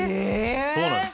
そうなんです。